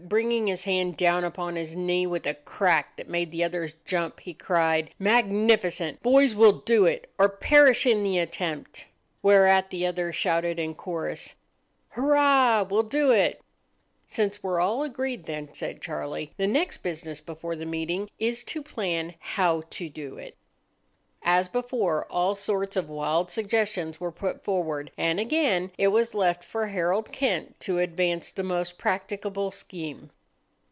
Bringing his hand down upon his knee with a crack that made the others jump, he cried,— "Magnificent! Boys, we'll do it, or perish in the attempt." Whereat the others shouted in chorus,— "Hoorah! We'll do it!" "Since we're all agreed, then," said Charlie, "the next business before the meeting is to plan how to do it." As before, all sorts of wild suggestions were put forward, and again it was left for Harold Kent to advance the most practicable scheme.